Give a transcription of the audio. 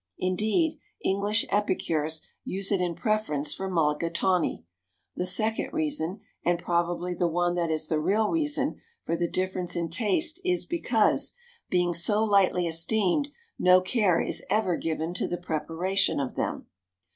Indeed, English epicures use it in preference for mulligatawny. The second reason, and probably the one that is the real reason, for the difference in taste is because, being so lightly esteemed, no care is ever given to the preparation of them.